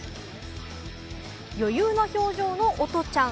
余裕な表情のおとちゃん。